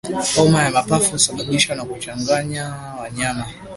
Homa ya mapafu husababishwa na kuchanganya wanyama